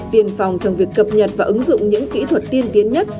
tiền phòng trong việc cập nhật và ứng dụng những kỹ thuật tiên tiến nhất